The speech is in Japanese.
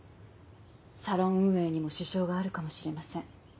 サロン運営にも支障があるかもしれません。